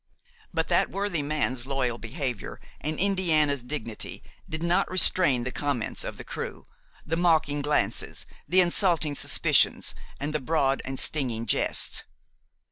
But that worthy man's loyal behavior and Indiana's dignity did not restrain the comments of the crew, the mocking glances, the insulting suspicions and the broad and stinging jests.